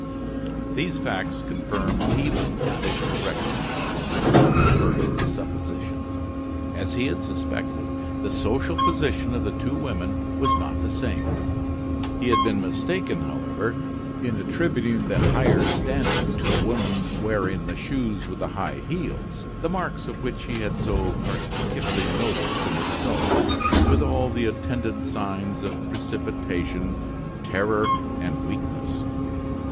'" These facts confirmed even if they corrected Lecoq's first suppositions. As he had suspected, the social position of the two women was not the same. He had been mistaken, however, in attributing the higher standing to the woman wearing the shoes with the high heels, the marks of which he had so particularly noticed in the snow, with all the attendant signs of precipitation, terror, and weakness.